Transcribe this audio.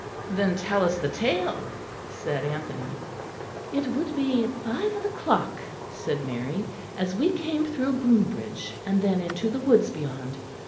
"Then tell us the tale," said Anthony. "It would be five of the clock," said Mary, "as we came through Groombridge, and then into the woods beyond.